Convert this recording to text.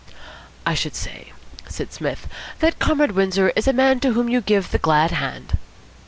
"I should say," said Psmith, "that Comrade Windsor is a man to whom you give the glad hand."